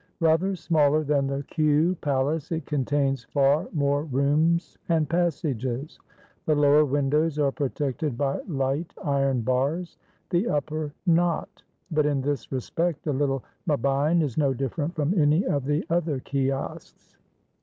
Rather smaller than the Kew Palace, it contains far more rooms and passages. The lower windows are protected by light iron bars, the upper not; but in this respect the Little Mabein is no different from any of the other kiosks.